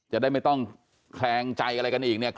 จะได้ไม่ต้องแคลงใจอะไรกันอีกเนี่ย